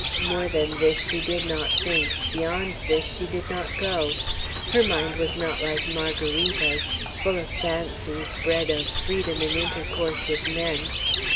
More than this she did not think; beyond this she did not go. Her mind was not like Margarita's, full of fancies bred of freedom in intercourse with men.